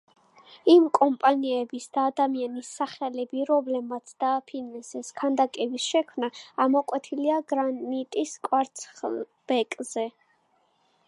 იმ კომპანიების და ადამიანის სახელები, რომლებმაც დააფინანსეს ქანდაკების შექმნა, ამოკვეთილია გრანიტის კვარცხლბეკზე.